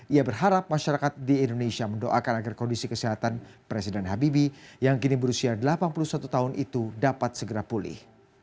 ia berharap masyarakat di indonesia mendoakan agar kondisi kesehatan presiden habibie yang kini berusia delapan puluh satu tahun itu dapat segera pulih